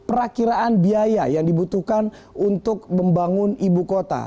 perakiraan biaya yang dibutuhkan untuk membangun ibu kota